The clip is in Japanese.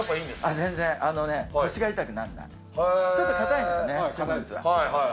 全然腰が痛くなんない。ちょっと硬いのよね。